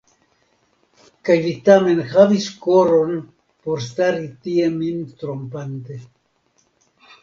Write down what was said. Kaj vi tamen havis koron por stari tie min trompante.